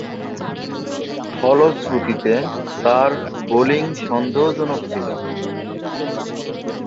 ফলশ্রুতিতে তার বোলিং সন্দেহজনক ছিল।